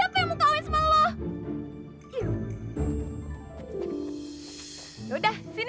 kamu mah cacipan